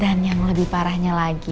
dan yang lebih parahnya lagi